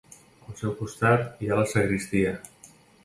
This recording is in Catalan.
Al seu costat hi ha la sagristia.